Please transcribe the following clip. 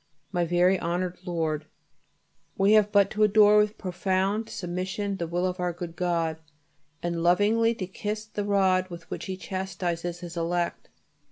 MY VERY HONOURED LORD, We have but to adore with profound submission the will of our good God, and lovingly to kiss the rod with which He chastises His elect.